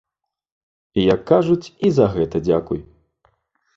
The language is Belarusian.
Як кажуць, і за гэта дзякуй.